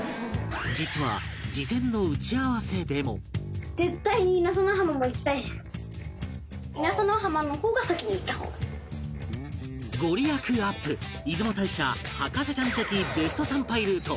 実はご利益アップ出雲大社博士ちゃん的ベスト参拝ルート